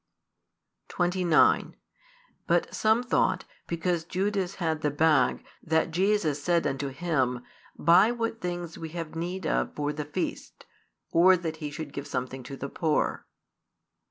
29 But some thought, because Judas had the bag, that Jesus said unto him, Buy what things we have need of for the feast; or, that he should give something to the poor.